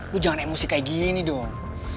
lu jangan emosi kayak gini dong